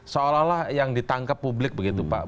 seolah olah yang ditangkap publik begitu pak